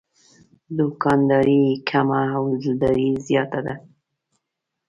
دوکانداري یې کمه او دلداري زیاته وه.